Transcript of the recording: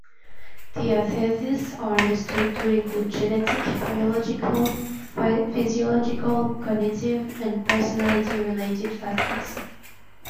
Diatheses are understood to include genetic, biological, physiological, cognitive, and personality-related factors.